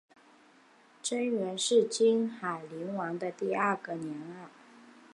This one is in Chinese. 贞元是金海陵王的第二个年号。